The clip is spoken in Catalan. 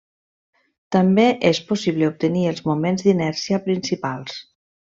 També és possible obtenir els moments d'inèrcia principals.